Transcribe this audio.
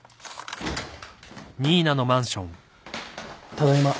ただいま。